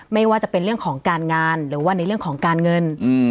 ไม่ว่าจะเป็นเรื่องของการงานหรือว่าในเรื่องของการเงิน